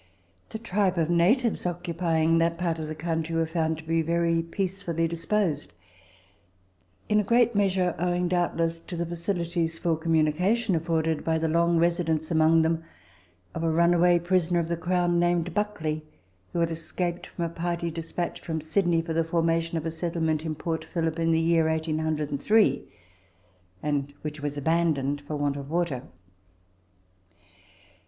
The tribe of natives occupying that part of the country were found to be very peacefully disposed, in a great measure owing, doubtless, to the facilities for communication afforded by the long residence among them of a runaway prisoner of the Crown, named Buckley, who had escaped from a party despatched from Sydney for the formation of a settlement in Port Phillip in the year 1803, and which was abandoned for the want of water.